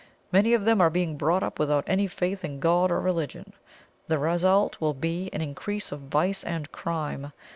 Many of them are being brought up without any faith in God or religion; the result will be an increase of vice and crime.